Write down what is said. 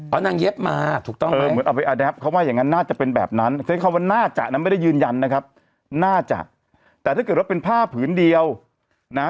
เอานางเย็บมาถูกต้องเออเหมือนเอาไปแอบเขาว่าอย่างนั้นน่าจะเป็นแบบนั้นใช้คำว่าน่าจะไม่ได้ยืนยันนะครับน่าจะแต่ถ้าเกิดว่าเป็นผ้าผืนเดียวนะ